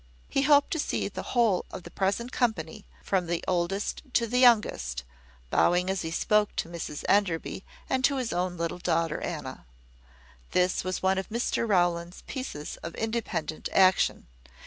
He hoped to see the whole of the present company, from the oldest to the youngest, bowing, as he spoke, to Mrs Enderby and to his own little daughter Anna. This was one of Mr Rowland's pieces of independent action.